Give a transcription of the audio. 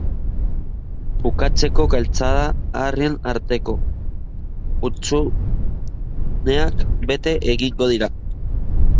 Bukatzeko galtzada-harrien arteko hutsuneak bete egingo dira.